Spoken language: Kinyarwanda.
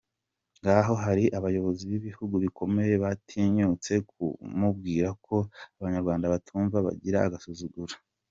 Ngo hari abayobozi b’ibihugu bikomeye batinyutse kumubwira ko abanyarwanda batumva bagira agasuzuguro.